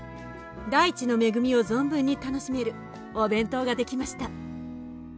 大地の恵みを存分に楽しめるお弁当が出来ました。